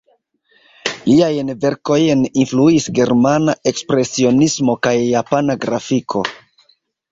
Liajn verkojn influis germana ekspresionismo kaj japana grafiko.